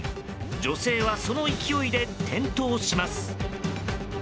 女性は、その勢いで転倒します。